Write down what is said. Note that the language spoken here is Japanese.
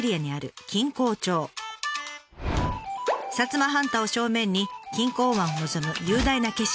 摩半島を正面に錦江湾を望む雄大な景色。